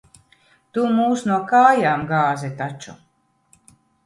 Tu mūs no kājām gāzi taču.